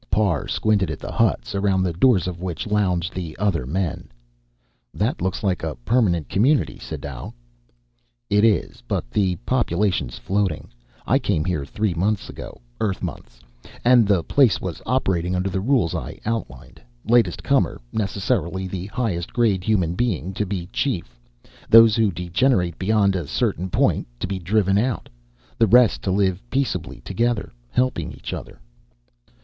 Parr squinted at the huts, around the doors of which lounged the other men. "That looks like a permanent community, Sadau." "It is, but the population's floating. I came here three months ago Earth months and the place was operating under the rules I outlined. Latest comer, necessarily the highest grade human being, to be chief; those who degenerate beyond a certain point to be driven out; the rest to live peaceably together, helping each other."